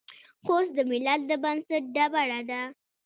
خوست د ملت د بنسټ ډبره ده.